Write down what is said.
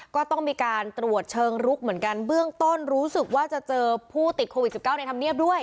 ก็ต้องมีการตรวจเชิงลุกเหมือนกันเบื้องต้นรู้สึกว่าจะเจอผู้ติดโควิด๑๙ในธรรมเนียบด้วย